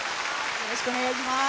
よろしくお願いします。